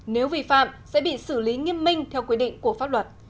nếu vi phạm sẽ bị xử lý nghiêm minh theo quy định của pháp luật